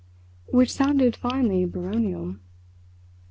Which sounded finely Baronial.